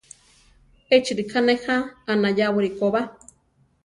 Échi ríka nejá anayáwari koba.